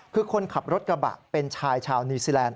คือคนขับรถกระบะเป็นชายชาวนิวซีแลนด